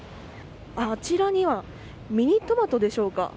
あちらにはミニトマトでしょうか。